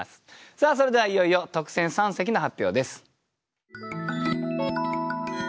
さあそれではいよいよ特選三席の発表です。